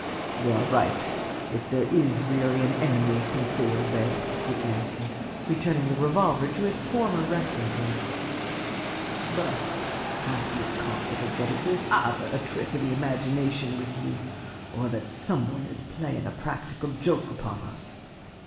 "You are right, if there is really an enemy concealed there," he answered, returning the revolver to its former resting place; "but I feel confident that it was either a trick of the imagination with you, or that some one is playing a practical joke upon us.